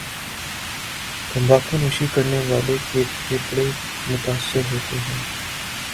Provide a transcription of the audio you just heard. تمباکو نوشی کرنے والے کے پھیپھڑے متاثر ہوتے ہیں